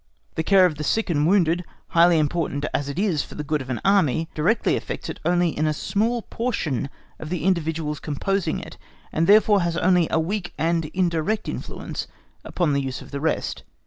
The care of sick and wounded, highly important as it is for the good of an Army, directly affects it only in a small portion of the individuals composing it, and therefore has only a weak and indirect influence upon the use of the rest.